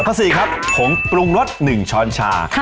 ข้อ๔ครับผงปรุงรส๑ช้อนชา